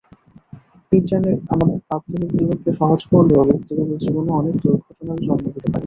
Internet আমাদের প্রাত্যহিক জীবনকে সহজ করলেও ব্যক্তিগত জীবনে অনেক দুর্ঘটনারও জন্ম দিতে পারে।